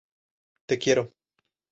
Te quiero